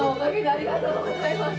ありがとうございます。